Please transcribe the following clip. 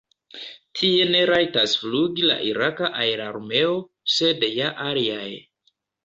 Tie ne rajtas flugi la iraka aerarmeo, sed ja aliaj.